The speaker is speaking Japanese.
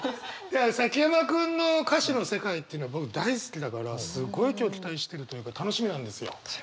崎山君の歌詞の世界っていうの僕大好きだからすごい今日期待してるというか楽しみなんですよ。